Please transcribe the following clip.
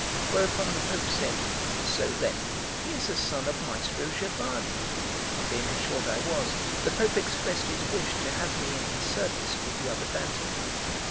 Whereupon the Pope said: "So, then, he is the son of Maestro Giovanni?" On being assured I was, the Pope expressed his wish to have me in his service with the other bandsmen.